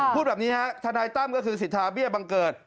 พูดแบบนี้ฮะทนายตั้มก็คือสิทธาเบี้ยบังเกิด